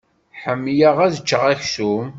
Ḥemmleɣ ad ččeɣ aksum.